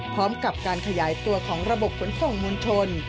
พร้อมกับการขยายตัวของระบบขนส่งมวลชน